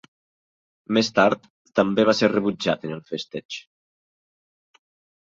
Més tard, també va ser rebutjat en el festeig.